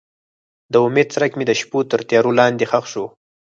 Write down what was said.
د امید څرک مې د شپو تر تیارو لاندې ښخ شو.